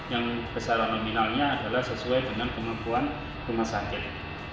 yang besaran nominalnya adalah sesuai dengan kemampuan rumah sakit